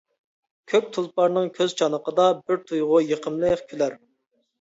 كۆك تۇلپارنىڭ كۆز چانىقىدا، بىر تۇيغۇ يېقىملىق كۈلەر.